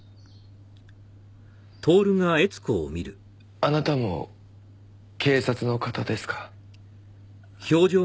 あなたも警察の方ですか？